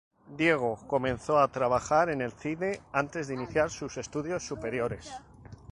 Diego comenzó a trabajar en el cine antes de iniciar sus estudios superiores.